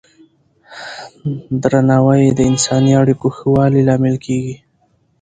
درناوی د انساني اړیکو ښه والي لامل کېږي.